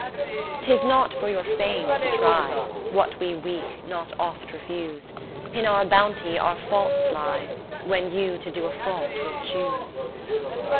'T'is not for your fame to try What we, weak, not oft refuse, In our bounty our faults lie When you to do a fault will choose.